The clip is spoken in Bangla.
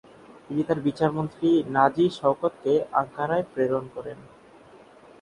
তিনি তার বিচারমন্ত্রী নাজি শওকতকে আঙ্কারায় প্রেরণ করেন।